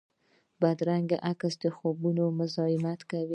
بدرنګه عکس د خوبونو مزاحمت کوي